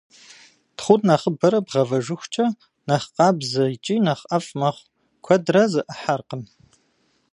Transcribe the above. Тхъур нэхъыбэрэ бгъэвэжыхукӏэ, нэхъ къабзэ икӏи нэхъ ӏэфӏ мэхъу, куэдрэ зэӏыхьэркъым.